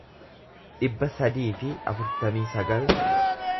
dhibba sadii fi afurtamii sagal